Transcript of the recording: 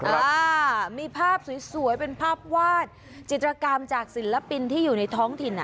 อ่ามีภาพสวยสวยเป็นภาพวาดจิตรกรรมจากศิลปินที่อยู่ในท้องถิ่นอ่ะ